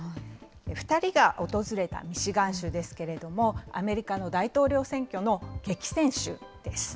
２人が訪れたミシガン州ですけれども、アメリカの大統領選挙の激戦州です。